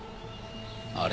「あれ」？